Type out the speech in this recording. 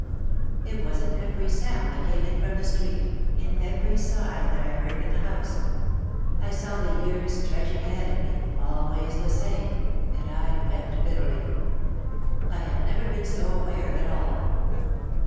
It was in every sound that came in from the street, in every sigh that I heard in the house. I saw the years stretch ing ahead of me, always the same, and I wept bitterly. I had never been so aware of it all.